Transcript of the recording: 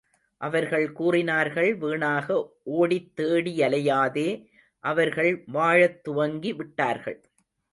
அவர்கள் கூறினார்கள், வீணாக ஒடித் தேடியலையாதே அவர்கள் வாழத் துவங்கி விட்டார்கள்.